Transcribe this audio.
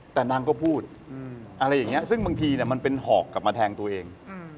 แต่นางก็พูดอะไรอย่างนี้ซึ่งบางทีมันเป็นหอกกลับมาแทงตัวเอง